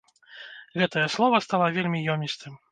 Гэтае слова стала вельмі ёмістым.